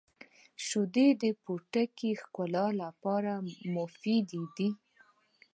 • شیدې د پوټکي ښکلا لپاره مفیدې دي.